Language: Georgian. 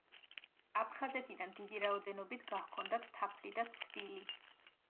აფხაზეთიდან დიდი რაოდენობით გაჰქონდათ თაფლი და ცვილი.